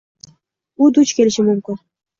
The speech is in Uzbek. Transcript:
U duch kelish mumkin.